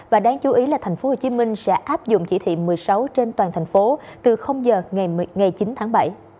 và đáng chú ý là tp hcm sẽ áp dụng chỉ thị một mươi sáu trên toàn thành phố từ giờ ngày chín tháng bảy